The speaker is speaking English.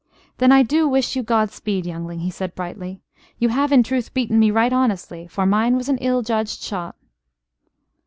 "Then I do wish you God speed, youngling," he said, brightly. "You have in truth beaten me right honestly for mine was an ill judged shot."